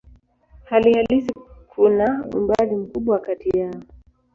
Hali halisi kuna umbali mkubwa kati yao.